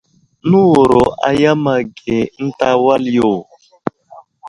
Nəwuro a yam age ənta wal yo.